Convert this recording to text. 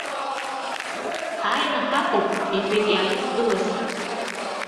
Ҳааины ҳаҟоуп, иҳәеит иааидгылаз.